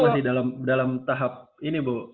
masih dalam tahap ini bu